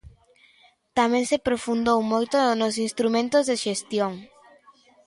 Tamén se profundou moito nos instrumentos de xestión.